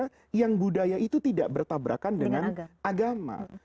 karena yang budaya itu tidak bertabrakan dengan agama